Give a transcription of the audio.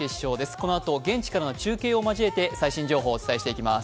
このあと現地からの中継を交えて最新情報をお伝えしていきます。